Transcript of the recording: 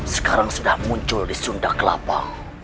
sekarang sudah muncul di sunda kelapa